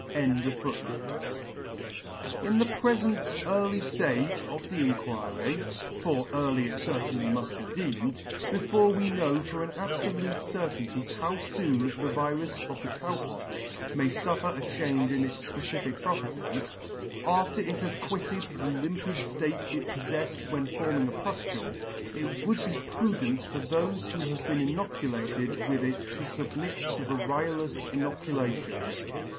In [ JI 5 3 In the prefent early ftage of the Inquiry, (for early it certainly mull be deemed), before we know for an abfolute certainty how foon the virus of the Cow Pox may fuffer a change in its fpe cific properties, after it has quitted the limpid Hate it poffeffed when forming a puftule, it would be prudent for thofe who have been inoculated with it to fubmit to variolous inoculation.